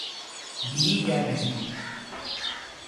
بھی یا نہیں۔